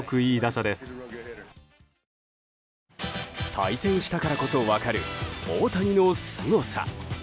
対戦したからこそ分かる大谷のすごさ。